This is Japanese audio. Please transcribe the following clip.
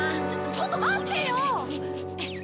ちょっと待ってよ！